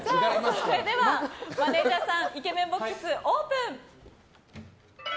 それではマネジャーさんイケメンボックス、オープン！